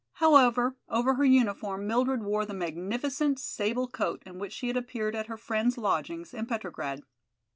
However, over her uniform Mildred wore the magnificent sable coat in which she had appeared at her friends' lodgings in Petrograd.